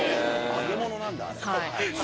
揚げ物なんだあれ。